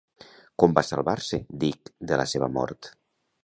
Com va salvar-se Dick de la seva mort?